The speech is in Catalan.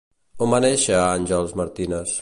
On va néixer Àngels Martínez?